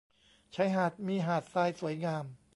ชายหาดมีหาดทรายสวยงาม